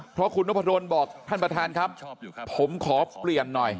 เพราะคุณนพดลบอกท่านประธานครับผมขอเปลี่ยนหน่อย